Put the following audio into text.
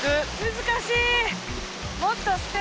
難しい。